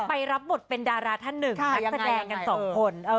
ไปรับบทเป็นดาราท่านหนึ่งนักแสดงกันสองคน